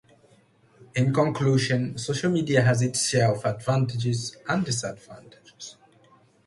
In conclusion, social media has its share of advantages and disadvantages.